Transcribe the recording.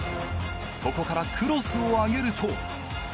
そこからクロスを上げると。